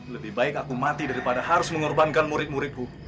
lebih baik aku mati daripada harus mengorbankan murid muridku